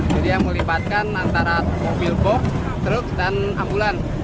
jadi yang melibatkan antara mobil boks truk dan ambulans